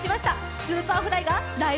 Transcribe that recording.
Ｓｕｐｅｒｆｌｙが「ライブ！